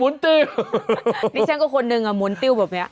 นี่ฉันก็คนหนึ่งหมุนติ้วแบบนี้